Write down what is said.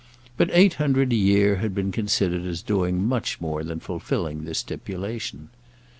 But eight hundred a year had been considered as doing much more than fulfilling this stipulation.